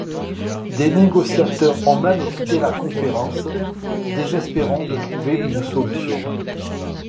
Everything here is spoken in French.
Des négociateurs ont même quitté la Conférence, désespérant de trouver une solution.